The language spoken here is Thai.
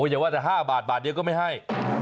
อย่าว่าแต่๕บาทบาทเดียวก็ไม่ให้